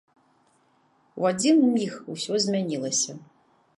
У адзін міг усё змянілася.